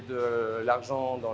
để họ gửi tiền